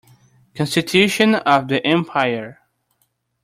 Constitution of the empire.